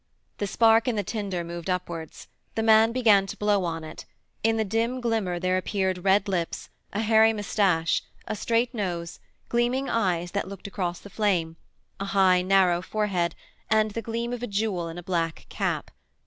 The spark in the tinder moved upwards; the man began to blow on it; in the dim glimmer there appeared red lips, a hairy moustache, a straight nose, gleaming eyes that looked across the flame, a high narrow forehead, and the gleam of a jewel in a black cap.